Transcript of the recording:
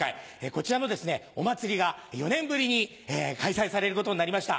こちらのお祭りが４年ぶりに開催されることになりました。